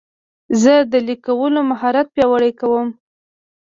زه د لیک کولو مهارت پیاوړی کوم.